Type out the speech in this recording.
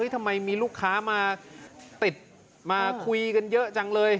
ทำไมมีลูกค้ามาติดมาคุยกันเยอะจังเลย